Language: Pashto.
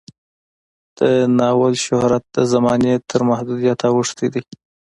د ناول شهرت د زمانې تر محدودیت اوښتی دی.